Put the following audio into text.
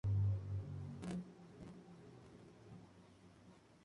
Los grados de sustitución pueden ser estimados de los parámetros de enrejado.